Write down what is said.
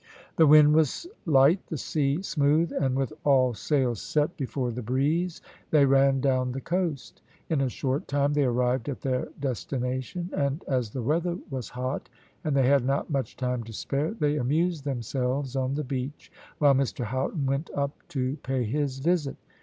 The wind was light, the sea smooth, and with all sail set before the breeze they ran down the coast. In a short time they arrived at their destination, and, as the weather was hot and they had not much time to spare, they amused themselves on the beach while Mr Houghton went up to pay his visit.